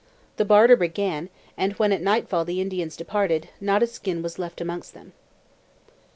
The barter began and, when at nightfall the Indians departed, not a skin was left amongst them.